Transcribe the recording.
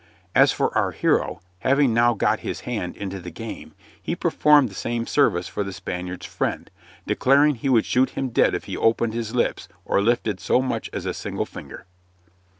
As for our hero, having now got his hand into the game, he performed the same service for the Spaniard's friend, declaring he would shoot him dead if he opened his lips or lifted so much as a single finger.